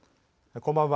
こんばんは。